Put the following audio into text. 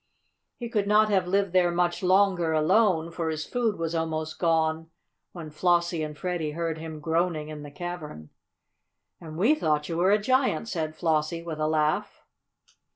He could not have lived there much longer alone, for his food was almost gone when Flossie and Freddie heard him groaning in the cavern. "And we thought you were a giant!" said Flossie with a laugh.